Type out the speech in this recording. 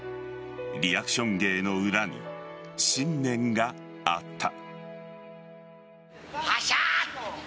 リアクション芸の裏に信念があった。